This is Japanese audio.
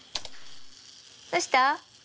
どうした？